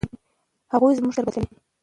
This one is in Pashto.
هغوی زموږ فکر بدلوي.